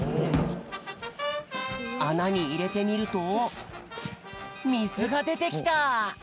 あなにいれてみるとみずがでてきた。